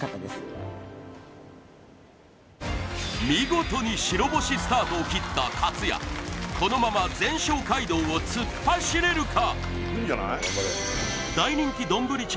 見事に白星スタートを切ったかつやこのまま全勝街道を突っ走れるか？